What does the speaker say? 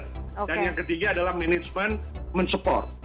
dan yang ketiga adalah management mensupport